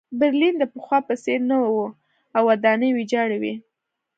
برلین د پخوا په څېر نه و او ودانۍ ویجاړې وې